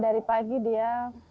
dari pagi dia